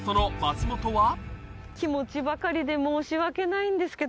気持ちばかりで申し訳ないんですけど。